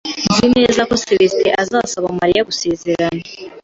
Nzi neza ko Celestin azasaba Mariya gusezerana.